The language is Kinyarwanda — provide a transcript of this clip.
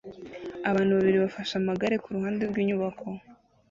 Abantu babiri bafashe amagare kuruhande rwinyubako